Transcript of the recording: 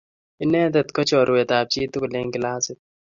Inendet ko chorwet ab chi tukul eng klasit